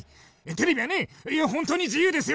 テレビはねいやホントに自由ですよ！